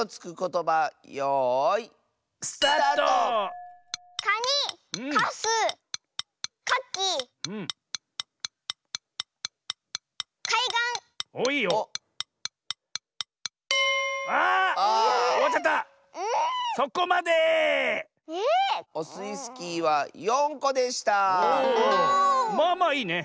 まあまあいいね。